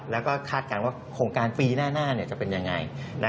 แล้วก็คาดการณ์ว่าโครงการปีหน้าจะเป็นยังไง